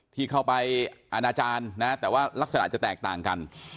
ที่เข้าไปอาณาจารย์นะแต่ว่ารักษณะจะแตกต่างกัน